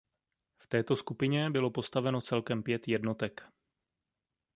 V této skupině bylo postaveno celkem pět jednotek.